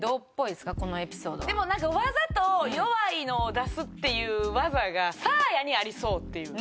でもなんかわざと弱いのを出すっていう技がサーヤにありそうっていう。